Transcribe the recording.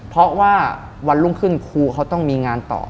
เพราะว่าวันรุ่งขึ้นครูเขาต้องมีงานต่อ